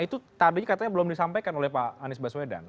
itu tadinya katanya belum disampaikan oleh pak anies baswedan